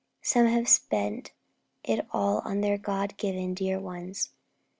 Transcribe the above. Some have spent it all on their God given dear ones.